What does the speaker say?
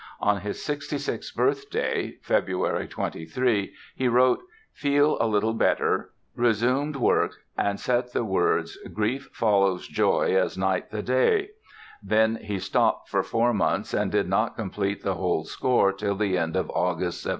On his 66th birthday (February 23) he wrote "Feel a little better. Resumed work" and set the words "Grief follows joy as night the day." Then he stopped for four months and did not complete the whole score till the end of August, 1751.